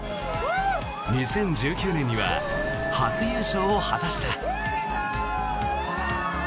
２０１９年には初優勝を果たした。